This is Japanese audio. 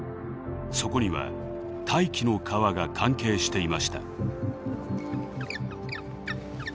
そこには「大気の川」が関係していました。